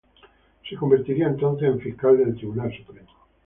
Se convertiría entonces en fiscal del Tribunal Supremo.